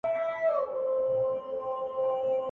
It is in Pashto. حقيقت بايد ومنل سي دلته,